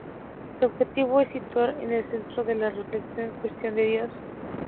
Su objetivo es situar en el centro de la reflexión la cuestión de Dios.